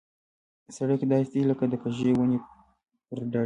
سړک داسې دی لکه د کږې ونې پر ډډ.